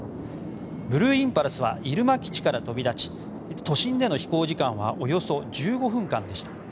ブルーインパルスは入間基地から飛び立ち都心での飛行時間はおよそ１５分間でした。